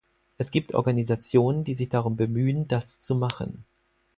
Es gibt Organisationen, die sich darum bemühen, das zu machen.